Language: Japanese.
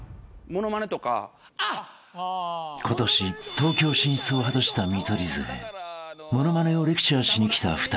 ［今年東京進出を果たした見取り図へ物まねをレクチャーしに来た２人］